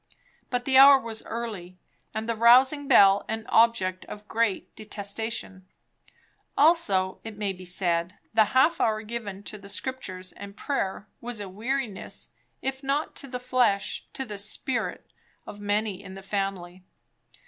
But the hour was early; and the rousing bell an object of great detestation; also, it may be said, the half hour given to the Scriptures and prayer was a weariness if not to the flesh to the spirit, of many in the family.